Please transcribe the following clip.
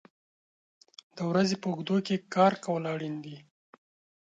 د ورځې په اوږدو کې کار کول اړین دي.